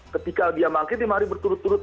ketika dia mangkir lima hari berturut turut